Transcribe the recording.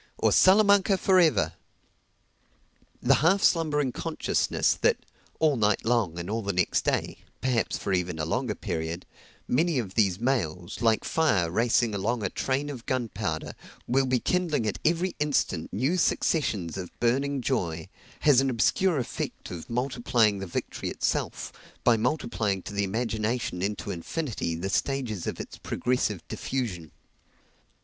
or "Salamanca for ever!" The half slumbering consciousness that, all night long and all the next day perhaps for even a longer period many of these mails, like fire racing along a train of gunpowder, will be kindling at every instant new successions of burning joy, has an obscure effect of multiplying the victory itself, by multiplying to the imagination into infinity the stages of its progressive diffusion.